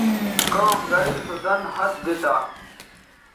کام گرے سو دَن ہَت دی تا